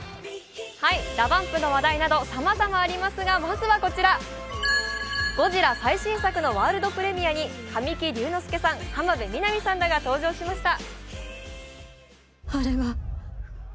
ＤＡＰＵＭＰの話題などさまざまありますがまずはこちら、ゴジラ最新作のワールドプレミアに神木隆之介さん、浜辺美波さんらが登場しました。